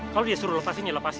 kalo dia suruh lepasin lo lepasin